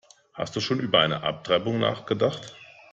Hast du schon über Abtreibung nachgedacht?